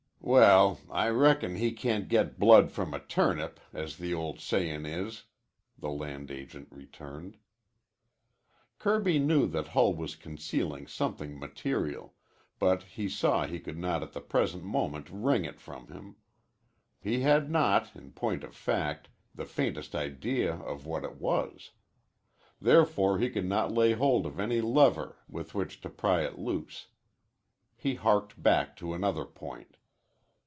"Well, I reckon he can't get blood from a turnip, as the old sayin' is," the land agent returned. Kirby knew that Hull was concealing something material, but he saw he could not at the present moment wring it from him. He had not, in point of fact, the faintest idea of what it was. Therefore he could not lay 'hold of any lever with which to pry it loose. He harked back to another point.